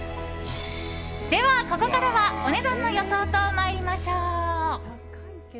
では、ここからはお値段の予想と参りましょう。